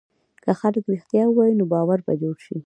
که خلک رښتیا ووایي، نو باور به جوړ شي.